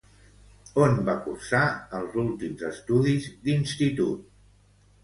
On va cursar els últims estudis d'institut?